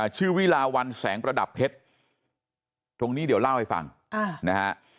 ชื่อวิลาวันแสงประดับเพชรตรงนี้เดี๋ยวเล่าให้ฟังนะฮะ